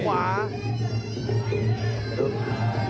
เทนานนท์